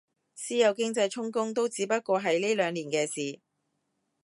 私有經濟充公都只不過係呢兩年嘅事